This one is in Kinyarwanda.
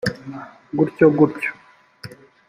gutyo gutyo